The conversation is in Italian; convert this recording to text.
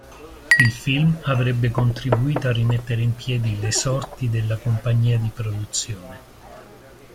Il film avrebbe contribuito a rimettere in piedi le sorti della compagnia di produzione.